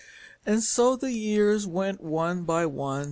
And so the years went one by one.